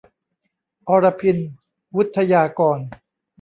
อรพิณ วุฑฒยากร